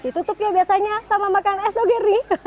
ditutup ya biasanya sama makanan es dogeri